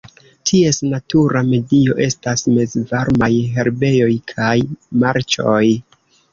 Ties natura medio estas mezvarmaj herbejoj kaj marĉoj.